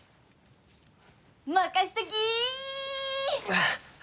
任せときっ！